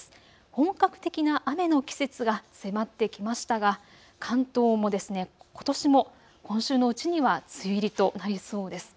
本格的な雨の季節が迫ってきましたが関東もことしも今週のうちには梅雨入りとなりそうです。